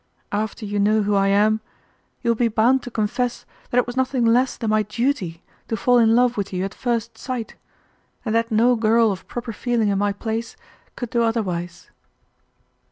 After you know who I am, you will be bound to confess that it was nothing less than my duty to fall in love with you at first sight, and that no girl of proper feeling in my place could do otherwise."